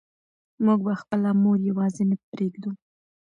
موږ به خپله مور یوازې نه پرېږدو.